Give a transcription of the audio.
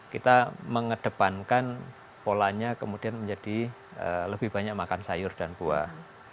kita mengedepankan polanya kemudian menjadi lebih banyak makan sayur dan buah